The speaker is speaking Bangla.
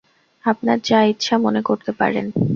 আপনার যা ইচ্ছা মনে করতে পারেন।